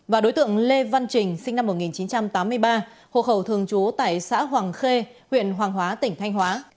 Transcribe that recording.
và đối tượng lê văn trình sinh năm một nghìn chín trăm tám mươi ba hộ khẩu thường trú tại xã hoàng khê huyện hoàng hóa tỉnh thanh hóa